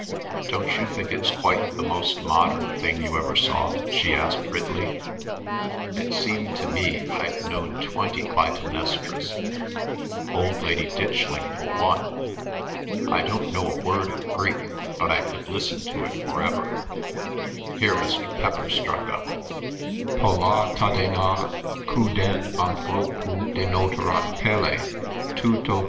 Don't you think it's quite the most modern thing you ever saw?" she asked Ridley. "It seemed to me I'd known twenty Clytemnestras. Old Lady Ditchling for one. I don't know a word of Greek, but I could listen to it for ever—" Here Mr. Pepper struck up: πολλὰ τὰ δεινά, κοὐδὲν ἀν θρώπου δεινότερον πέλει.